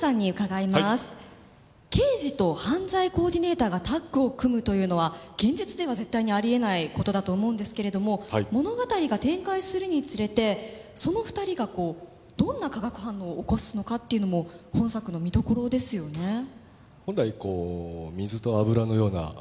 はい刑事と犯罪コーディネーターがタッグを組むというのは現実では絶対にありえないことだと思うんですけれども物語が展開するにつれてその２人がどんな化学反応を起こすのかっていうのも本作の見どころですよね